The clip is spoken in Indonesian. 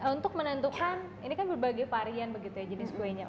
untuk menentukan ini kan berbagai varian begitu ya jenis kuenya